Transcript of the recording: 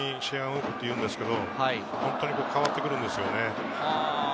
点数が動くと試合が動くっていうんですけれど、本当に変わってくるんですよね。